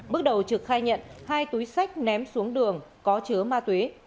bước đầu trực khai nhận hai túi sách ném xuống đường có chứa ma túy